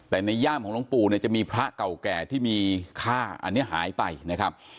แต่ในย่ามของหลวงปู่เนี่ยจะมีพระเก่าแก่ที่มีค่าอันนี้หายไปนะครับ